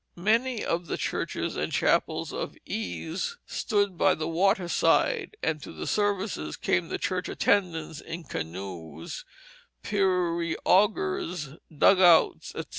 Many of the churches and the chapels of ease stood by the waterside, and to the services came the church attendants in canoes, periaugers, dugouts, etc.